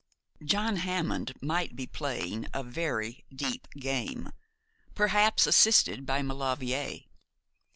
John Hammond might be playing a very deep game, perhaps assisted by Maulevrier.